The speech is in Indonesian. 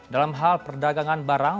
dalam hal perdagangan barang